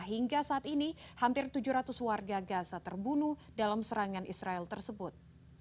hingga saat ini hampir tujuh ratus warga gaza terbunuh dalam serangan israel tersebut